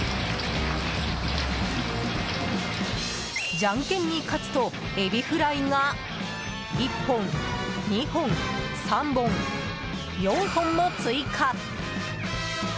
ジャンケンに勝つとエビフライが１本、２本、３本、４本も追加！